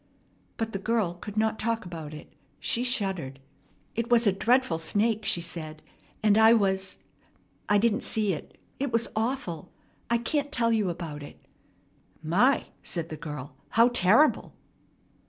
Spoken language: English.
But the girl could not talk about it. She shuddered. "It was a dreadful snake," she said, "and I was I didn't see it. It was awful! I can't tell you about it." "My!" said the girl. "How terrible!"